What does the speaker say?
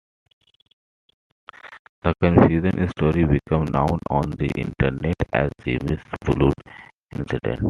The confusing story became known on the Internet as the "Miss Blood Incident".